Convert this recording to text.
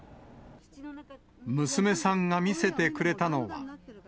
娘さんが見せてくれたのは。